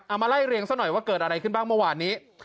มาไล่เรียงซะหน่อยว่าเกิดอะไรขึ้นบ้างเมื่อวานนี้